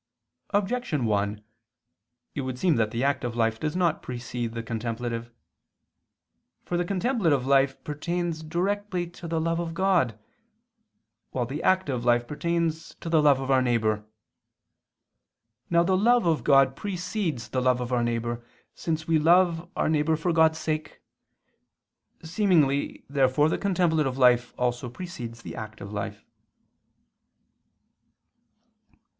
Objection 1: It would seem that the active life does not precede the contemplative. For the contemplative life pertains directly to the love of God; while the active life pertains to the love of our neighbor. Now the love of God precedes the love of our neighbor, since we love our neighbor for God's sake. Seemingly therefore the contemplative life also precedes the active life.